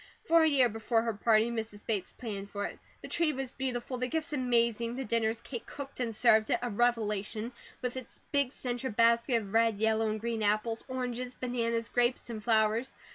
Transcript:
For a year before her party Mrs. Bates planned for it. The tree was beautiful, the gifts amazing, the dinner, as Kate cooked and served it, a revelation, with its big centre basket of red, yellow, and green apples, oranges, bananas, grapes, and flowers.